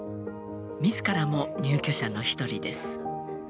自らも入居者の一人です。